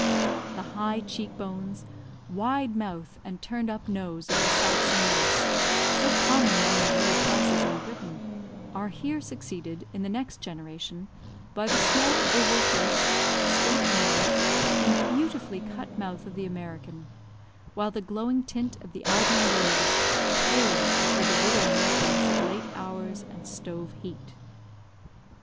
The high cheek bones, wide mouth, and turned up nose of the Saxon race, so common among the lower classes in Britain, are here succeeded in the next generation, by the small oval face, straight nose, and beautifully cut mouth of the American; while the glowing tint of the Albion rose pales before the withering influence of late hours and stove heat.